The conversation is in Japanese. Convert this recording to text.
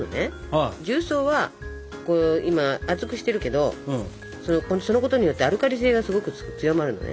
重曹は今熱くしてるけどそのことによってすごくアルカリ性がすごく強まるのね。